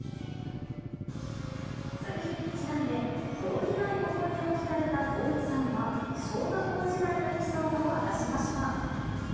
作品にちなんで、ほろ苦い思い出を聞かれた光一さんは、小学校時代のエピソードを明かしました。